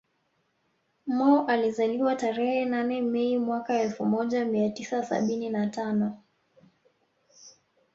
Mo alizaliwa tarehe nane Mei mwaka elfu moja mia tisa sabini na tano